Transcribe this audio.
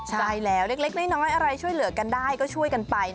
ใช่แล้วเล็กน้อยอะไรช่วยเหลือกันได้ก็ช่วยกันไป